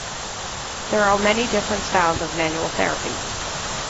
There are many different styles of manual therapy.